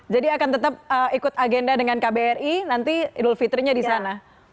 jadi akan tetap ikut agenda dengan kbri nanti idul fitrinya di sana